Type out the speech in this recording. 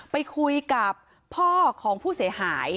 ไปคุยกับพ่อของผู้เสียหาย